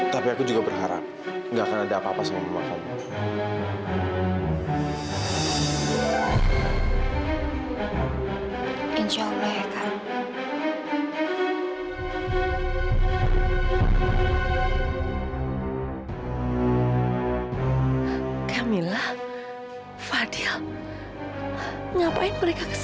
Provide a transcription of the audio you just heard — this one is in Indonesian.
tapi kamu harus lebih kuat ya pak